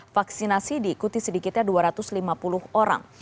vaksinasi diikuti sedikitnya dua ratus lima puluh orang